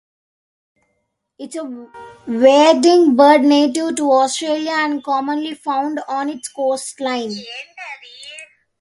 It is a wading bird native to Australia and commonly found on its coastline.